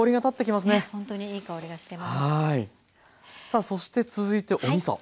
さあそして続いておみそ。